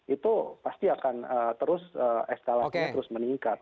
itu pasti akan terus eskalasinya terus meningkat